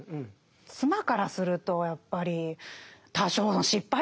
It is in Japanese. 妻からするとやっぱり多少の失敗はあります